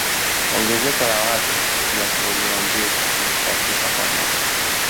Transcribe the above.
Ongezeko la watu ni asilimia mbili nukta tisa kwa mwaka